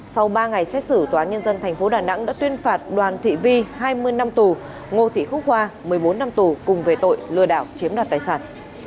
sau ba ngày xét xử tòa nhân dân tp đà nẵng đã tuyên phạt đoàn thị vi hai mươi năm tù ngô thị khúc hoa một mươi bốn năm tù cùng về tội lừa đảo chiếm đoạt tài sản